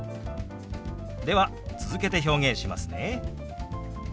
では続けて表現しますね。